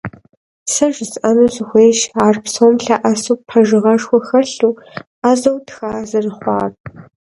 Сэ жысӀэну сыхуейщ ар псэм лъэӀэсу, пэжыгъэшхуэ хэлъу, Ӏэзэу тха зэрыхъуар.